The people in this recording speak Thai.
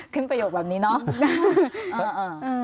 ประโยคแบบนี้เนาะ